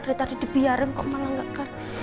dari tadi dibiarin kok malah gak